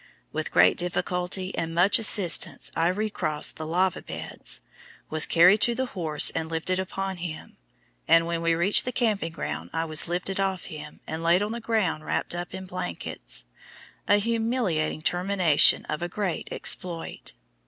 With great difficulty and much assistance I recrossed the "Lava Beds," was carried to the horse and lifted upon him, and when we reached the camping ground I was lifted off him, and laid on the ground wrapped up in blankets, a humiliating termination of a great exploit.